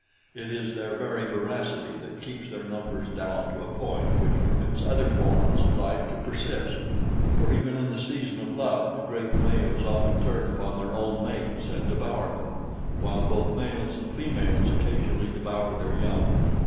It is their very voracity that keeps their numbers down to a point which permits other forms of life to persist, for even in the season of love the great males often turn upon their own mates and devour them, while both males and females occasionally devour their young.